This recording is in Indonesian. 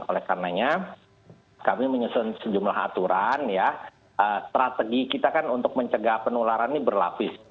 oleh karenanya kami menyusun sejumlah aturan ya strategi kita kan untuk mencegah penularan ini berlapis